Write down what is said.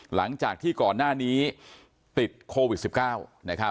หลังจากที่ก่อนหน้านี้ติดโควิด๑๙